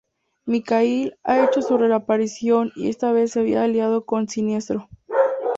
Mikhail ha hecho su reaparición y esta vez se había aliado con Siniestro.